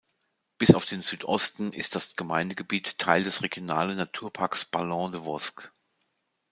Bis auf den Südosten ist das Gemeindegebiet Teil des Regionalen Naturparks Ballons des Vosges.